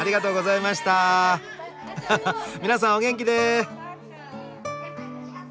皆さんお元気で！